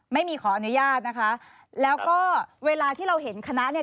ไม่มีขออนุญาตนะคะแล้วก็เวลาที่เราเห็นคณะเนี่ย